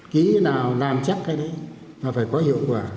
ký nào làm chắc cái đấy là phải có hiệu quả